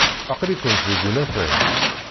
Aql-ikent deg unafag.